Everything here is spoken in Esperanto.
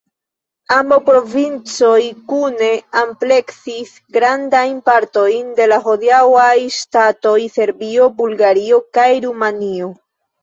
Ambaŭ provincoj kune ampleksis grandajn partojn de la hodiaŭaj ŝtatoj Serbio, Bulgario kaj Rumanio.